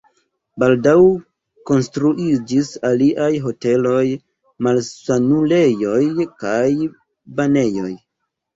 Baldaŭ konstruiĝis aliaj hoteloj, malsanulejoj kaj banejoj.